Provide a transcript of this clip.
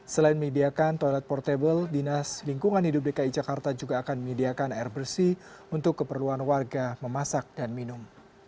selain menyediakan toilet portable dinas lingkungan hidup dki jakarta juga akan menyediakan air bersih untuk keperluan warga memasak dan minum